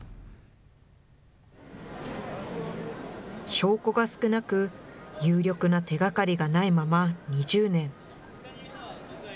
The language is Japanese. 証拠が少なく、有力な手がかりがないまま２０年。